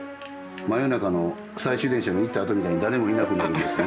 真夜中の最終電車の行ったあとみたいに誰もいなくなるんです。